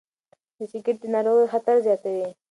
سګرېټ د ناروغیو خطر زیاتوي.